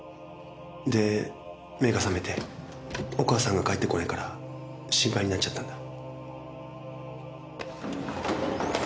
で目が覚めてお母さんが帰ってこないから心配になっちゃったんだ。